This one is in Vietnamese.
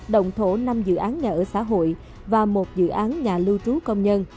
động thổ năm dự án nhà ở xã hội và một dự án nhà lưu trú công nhân